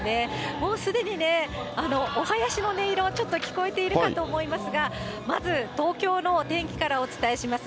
もうすでにね、お囃子の音色がちょっと聞こえているかと思いますが、まず東京の天気からお伝えします。